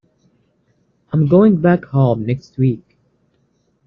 I’m going back home next week